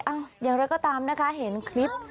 อย่างไรก็ตามนะคะเห็นคลิป